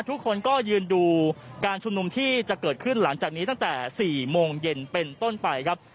ทุกคนก็ยืนดูการชุมนุมที่จะเกิดขึ้นหลังจากนี้ตั้งแต่๔โมงเย็นเป็นต้นไปครับ